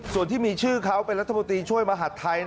ส่วนที่มีชื่อเขาเป็นรัฐมนตรีช่วยมหาดไทย